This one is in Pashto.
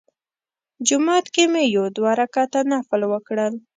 جومات کې مې یو دوه رکعته نفل وکړل.